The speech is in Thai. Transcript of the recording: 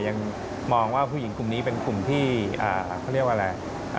ยังมองว่าผู้หญิงกลุ่มนี้เป็นกลุ่มที่เขาเรียกว่าอะไร